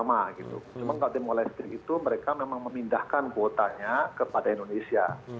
mereka memang memindahkan kuotanya kepada indonesia